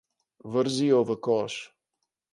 Vrzi jo v koš.